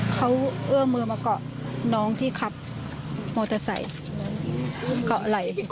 เขาเอื้อมือมาเกาะน้องที่ขับมอเตอร์ไซค์เกาะไหล่